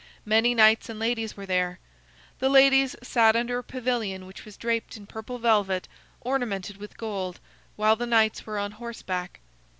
Many knights and ladies were there. The ladies sat under a pavilion which was draped in purple velvet ornamented with gold, while the knights were on horseback.